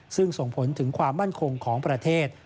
ซึ่งส่งผลถึงความมั่นคงของประเทศ